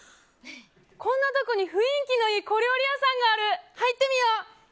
こんなとこに雰囲気のいい小料理屋さんがある。